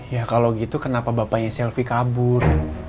ya kalau gitu kenapa bapaknya selfie kabur